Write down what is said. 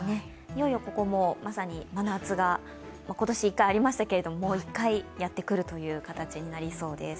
いよいよ、ここもまさに真夏が、今年１回ありましたけれども、もう１回やってくるという形になりそうです。